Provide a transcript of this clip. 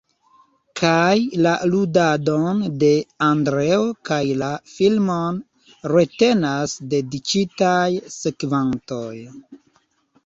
Kaj la ludadon de Andreo kaj la filmon retenas dediĉitaj sekvantoj.